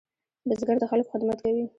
بزګر د خلکو خدمت کوي